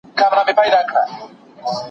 د وجوب بحث د بنده او الله تر منځ دی.